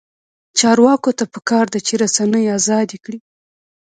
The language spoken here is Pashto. چارواکو ته پکار ده چې، رسنۍ ازادې کړي.